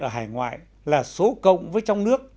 ở hải ngoại là số cộng với trong nước